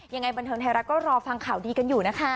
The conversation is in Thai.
ยังไงบันเทิงไทยรัฐก็รอฟังข่าวดีกันอยู่นะคะ